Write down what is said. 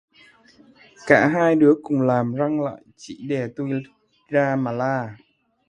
Cả hai đứa cùng làm, răng lại chỉ đè tui ra mà la